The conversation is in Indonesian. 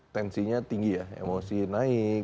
tensinya tinggi ya emosi naik